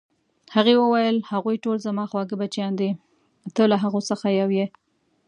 هغې وویل: هغوی ټول زما خواږه بچیان دي، ته له هغو څخه یو یې.